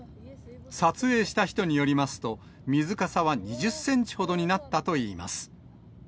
撮影した人によりますと、水かさは２０センチほどになったといいます。